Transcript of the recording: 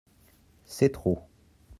C’est trop.